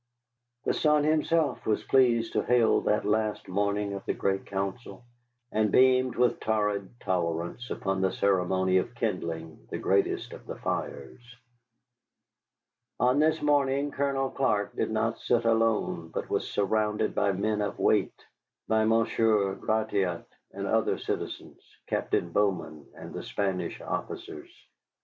The sun himself was pleased to hail that last morning of the great council, and beamed with torrid tolerance upon the ceremony of kindling the greatest of the fires. On this morning Colonel Clark did not sit alone, but was surrounded by men of weight, by Monsieur Gratiot and other citizens, Captain Bowman and the Spanish officers.